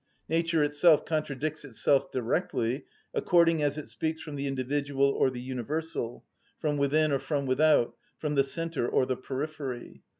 Nature itself contradicts itself directly, according as it speaks from the individual or the universal, from within or from without, from the centre or the periphery.